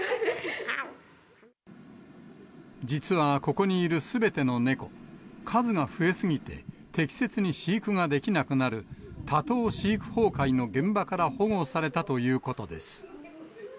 実はここにいるすべての猫、数が増え過ぎて適切に飼育ができなくなる多頭飼育崩壊の現場から保護されたということです。